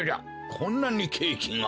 こんなにケーキが！